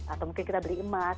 atau mungkin kita beri emas